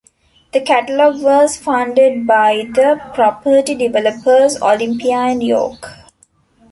The catalogue was funded by the property developers Olympia and York.